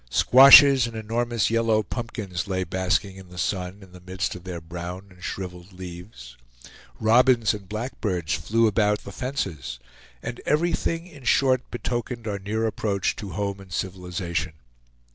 Squashes and enormous yellow pumpkins lay basking in the sun in the midst of their brown and shriveled leaves. Robins and blackbirds flew about the fences; and everything in short betokened our near approach to home and civilization.